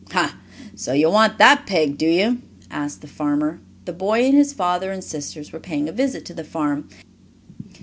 "Ha! So you want that pig, do you?" asked the farmer. The boy and his father and sisters were paying a visit to the farm.